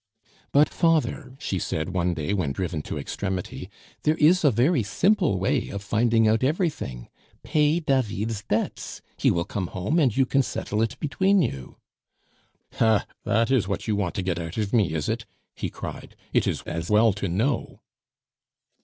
"But, father," she said one day when driven to extremity, "there is a very simple way of finding out everything. Pay David's debts; he will come home, and you can settle it between you." "Ha! that is what you want to get out of me, is it?" he cried. "It is as well to know!"